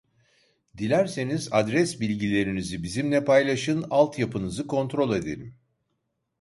Dilerseniz adres bilgilerinizi bizimle paylaşın altyapınızı kontrol edelim